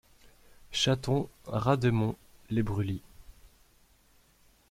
Chaton, Rademont, les Brûlis.